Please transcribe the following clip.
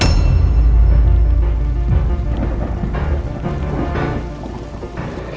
gue kecewa banget sama loki